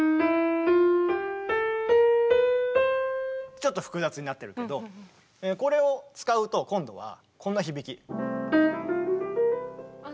ちょっと複雑になってるけどこれを使うと今度はこんな響き。